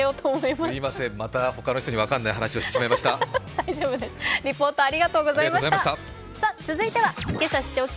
すみません、また他の人に分からない話をしてしまいました。